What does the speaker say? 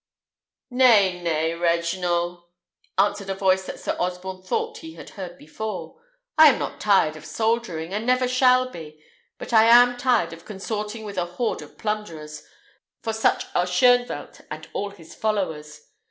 "Nay, nay, Regnault," answered a voice that Sir Osborne thought he had heard before, "I am not tired of soldiering, and never shall be; but I am tired of consorting with a horde of plunderers, for such are Shoenvelt and all his followers.